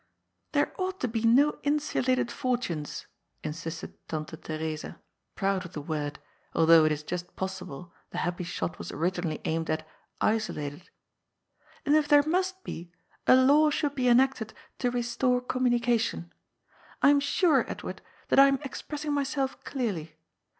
" There ought to be no insuJnted fortunes," insisted Tante Theresa, proud of the word, although it is just possible the happy shot was originally aimed at '^ iso lated," " and if there must be, a law should be enacted to restore communication. I am sure, Edward, that I am ex pressing myself clearly.